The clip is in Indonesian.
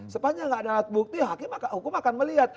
sepanjang enggak ada alat bukti hukum akan melihat